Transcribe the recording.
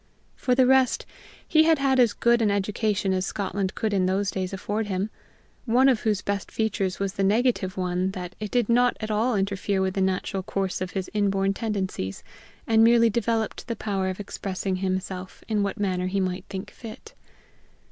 For the rest, he had had as good an education as Scotland could in those days afford him, one of whose best features was the negative one that it did not at all interfere with the natural course of his inborn tendencies, and merely developed the power of expressing himself in what manner he might think fit.